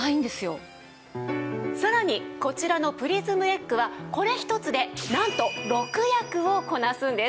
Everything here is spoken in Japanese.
さらにこちらのプリズムエッグはこれ一つでなんと６役をこなすんです。